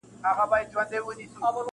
ډېر زلمي به ما غوندي په تمه سي زاړه ورته-